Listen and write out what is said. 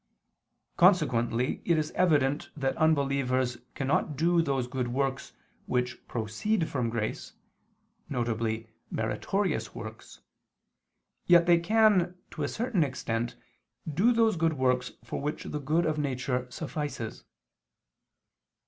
Consequently it is evident that unbelievers cannot do those good works which proceed from grace, viz. meritorious works; yet they can, to a certain extent, do those good works for which the good of nature suffices.